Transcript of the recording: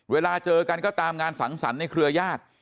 เวลาเจอกันก็ตามงานสังสรรค์ในเครือญาติ